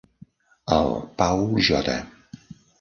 El Paul J.